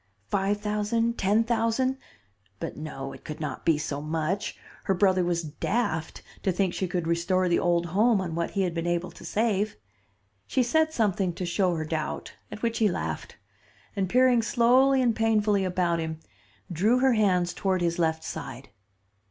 Five thousand, ten thousand. But no, it could not be so much. Her brother was daft to think she could restore the old home on what he had been able to save. She said something to show her doubt, at which he laughed; and, peering slowly and painfully about him, drew her hands toward his left side.